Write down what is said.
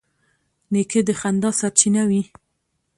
نیکه د خندا سرچینه وي.